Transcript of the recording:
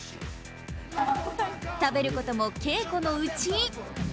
食べることも稽古のうち。